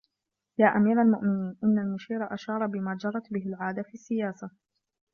يَا أَمِيرَ الْمُؤْمِنِينَ إنَّ الْمُشِيرَ أَشَارَ بِمَا جَرَتْ بِهِ الْعَادَةُ فِي السِّيَاسَةِ